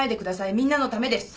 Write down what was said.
みんなのためです。